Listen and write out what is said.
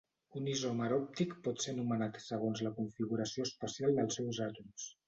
Un isòmer òptic pot ser anomenat segons la configuració espacial dels seus àtoms.